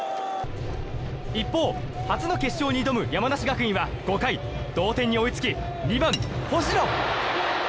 一方、初の決勝に挑む山梨学院は５回同点に追いつき２番、星野。